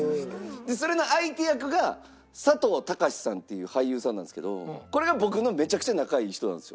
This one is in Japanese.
それの相手役が佐藤貴史さんっていう俳優さんなんですけどこれが僕のめちゃくちゃ仲いい人なんですよ。